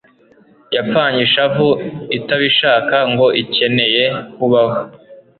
Yapfanye ishavu itabishaka ngo ikeneye kubaho